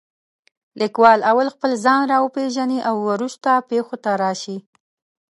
لیکوال اول خپله ځان را وپېژنې او وروسته پېښو ته راشي.